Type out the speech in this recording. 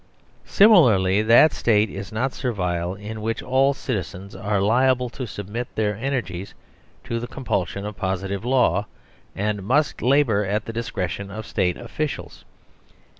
Similarly, that State is not servile in which all citizens are liable to submit their energies to the com pulsion of positive law, and must labour at the dis cretion of State officials.